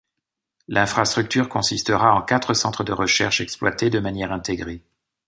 L'infrastructure consistera en quatre centres de recherche exploités de manière intégrée.